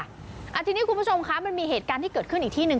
คุณผู้ชมคะมันมีเหตุการณ์ที่เกิดขึ้นอีกที่หนึ่ง